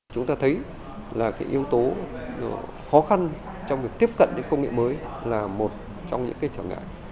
chúng ta thấy là cái yếu tố khó khăn trong việc tiếp cận công nghệ mới là một trong những cái trả ngại